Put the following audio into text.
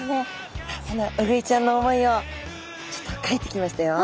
そんなウグイちゃんの思いをちょっとかいてきましたよ。